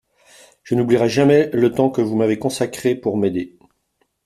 Je n’oublierai jamais le temps que vous m’avez consacré pour m’aider.